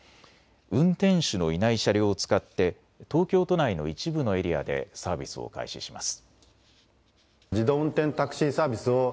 運転手のいない車両を使って東京都内の一部のエリアでサービスを開始します。